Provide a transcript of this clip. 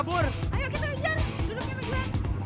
bukan mangkuknya es campurnya